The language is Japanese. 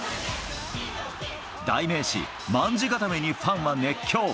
代名詞、まんじ固めにファンは熱狂。